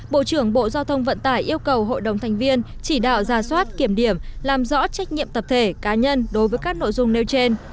bộ trưởng bộ giao thông vận tải yêu cầu hội đồng thành viên chỉ đạo ra soát kiểm điểm làm rõ trách nhiệm tập thể cá nhân đối với các nội dung nêu trên